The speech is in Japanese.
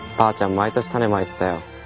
毎年種まいてたよ。